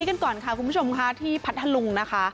พบกันก่อนค่ะคุณผู้ชมที่ผัดทะลุงนะคะ